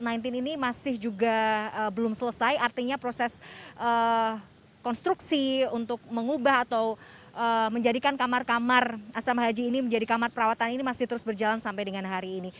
covid sembilan belas ini masih juga belum selesai artinya proses konstruksi untuk mengubah atau menjadikan kamar kamar asrama haji ini menjadi kamar perawatan ini masih terus berjalan sampai dengan hari ini